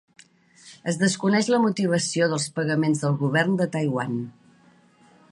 Es desconeix la motivació dels pagaments del govern de Taiwan.